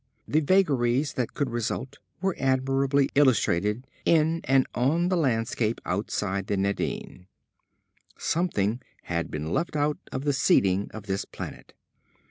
The vagaries that could result were admirably illustrated in and on the landscape outside the Nadine. Something had been left out of the seeding of this planet.